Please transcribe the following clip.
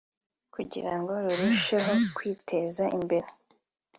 kugira ngo rurusheho kwiteza imbere